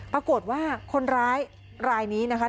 ปรากฏว่าคนร้ายรายนี้นะคะ